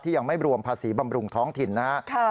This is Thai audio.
ยังไม่รวมภาษีบำรุงท้องถิ่นนะครับ